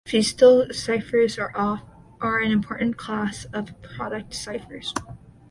Feistel ciphers are an important class of product ciphers.